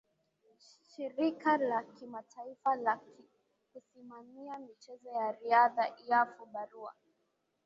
shirika la kimataifa la kusimamia michezo ya riadha iaaf barua